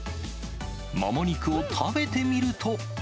もも肉を食べてみると。